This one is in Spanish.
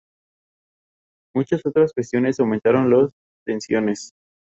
Su contraparte en el Milan fue Gianni Rivera, apodado Golden Boy, por su talento.